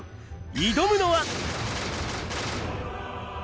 挑むのは。